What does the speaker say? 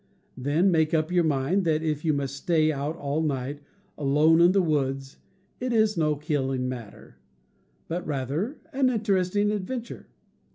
Then make up your mind that if you must stay out all night, alone in the woods, it is no killing matter, but rather an interesting adventure.